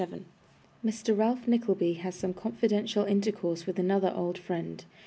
CHAPTER 47 Mr. Ralph Nickleby has some confidential Intercourse with another old Friend.